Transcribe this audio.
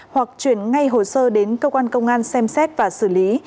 hoặc chuyển ngay hồ sơ đến cơ quan công an xem xét và xử lý